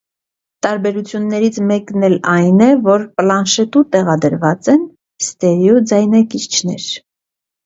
Տարբերություններից մեկն էլ այն է, որ պլանշետու տեղադրված են ստերիո ձայնարկիչներ։